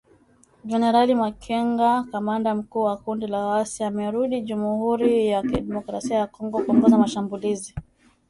Jenerali Makenga, kamanda mkuu wa kundi la waasi amerudi Jamhuri ya Kidemokrasia ya Kongo kuongoza mashambulizi